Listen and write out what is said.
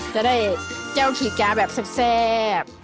จะได้เจ้าขีกาแบบแซ่บ